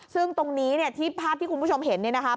ซึ่งตรงนี้เนี่ยที่ภาพที่คุณผู้ชมเห็นเนี่ยนะครับ